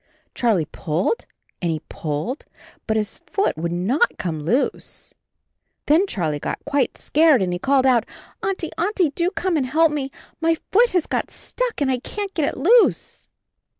Charlie pulled and he pulled, but his foot would not come loose. Then Charlie got quite scared and he called out, "Auntie, Auntie, do come and help me — my foot has got stuck and I can't get it loose."